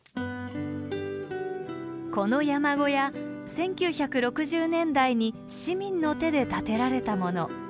１９６０年代に市民の手で建てられたもの。